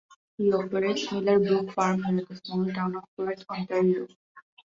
He operates "Millar Brooke Farm" near the small town of Perth, Ontario.